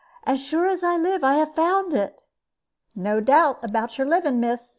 "As sure as I live I have found it!" "No doubt about your living, miss.